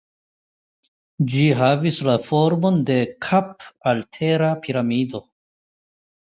Ĝi havas formon de kapaltera piramido.